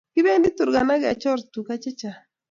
Kipendi Turkana kechor Tuka che chang